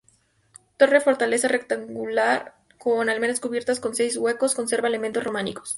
Torre fortaleza rectangular, con almenas cubiertas, con seis huecos; conserva elementos románicos.